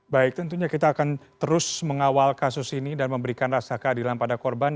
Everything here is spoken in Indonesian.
baik tentunya kita akan terus mengawal kasus ini dan memberikan rasa keadilan pada korban